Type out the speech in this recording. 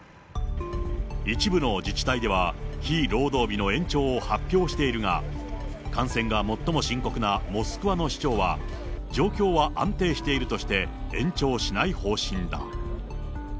一部の自治体では、非労働日の延長を発表しているが、感染が最も深刻なモスクワの市長は、状況は安定しているとして、延長しない方針だ。